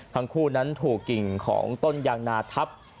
ทั้งคู่นั้นถูกกิ่งของต้นยางนาทับ